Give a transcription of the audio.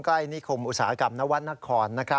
ใกล้นิคมอุตสาหกรรมนวัตนคร